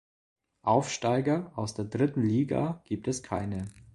Aufsteiger aus der Dritten Liga gibt es keine.